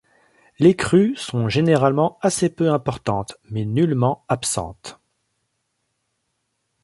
Les crues sont généralement assez peu importantes, mais nullement absentes.